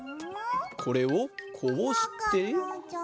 これをこうして。